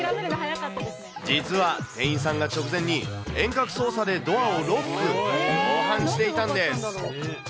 実は店員さんが直前に遠隔操作でドアをロック。防犯していたんです。